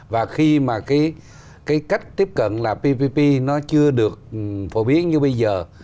và khi mà cái cách tiếp cận là ppp nó chưa được phổ biến như bây giờ